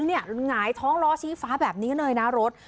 หงายท้องล้อชี้ฟ้าแบบนี้เลยนะรถ